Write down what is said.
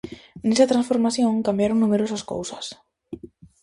Nesa transformación cambiaron numerosas cousas.